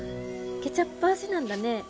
ケチャップ味なんだね。